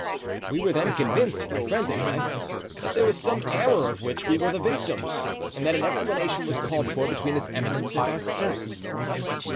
We were then convinced, my friend and I, that there was some error of which we were the victims, and that an explanation was called for between his eminence and ourselves.